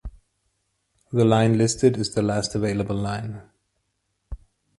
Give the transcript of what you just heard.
The line listed is the last available line.